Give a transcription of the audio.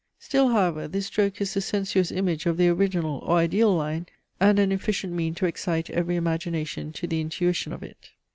Still however this stroke is the sensuous image of the original or ideal line, and an efficient mean to excite every imagination to the intuition of it.